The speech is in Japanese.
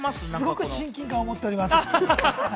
すごく親近感を持っております。